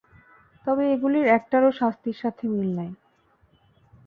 তবে এগুলির একটারো শান্তির সাথে মিল নাই।